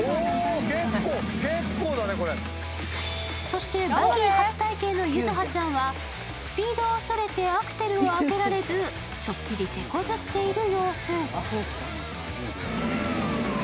そして、バギー初体験の柚葉ちゃんはスピードを恐れてアクセルを開けられずちょっぴり手こずっている様子。